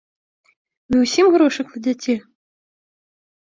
Вы усім грошы кладзяце?